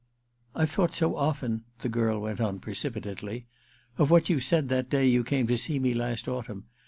•I've thought so often,' the girl went on precipitately, *of what you said that day you came to see me last autumn.